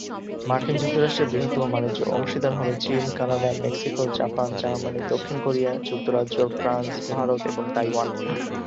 মার্কিন যুক্তরাষ্ট্রের বৃহত্তম বাণিজ্য অংশীদার হল চীন, কানাডা, মেক্সিকো, জাপান, জার্মানি, দক্ষিণ কোরিয়া, যুক্তরাজ্য, ফ্রান্স, ভারত এবং তাইওয়ান।